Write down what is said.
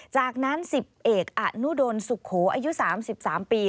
จากนั้น๑๐เอกอนุดลสุโขอายุ๓๓ปี